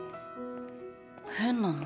変なの。